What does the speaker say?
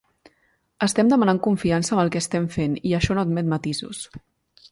Estem demanant confiança amb el que estem fent i això no admet matisos.